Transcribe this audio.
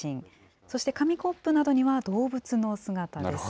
そして紙コップなどには動物の姿です。